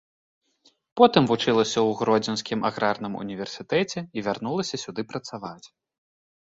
Потым вучылася ў гродзенскім аграрным універсітэце і вярнулася сюды працаваць.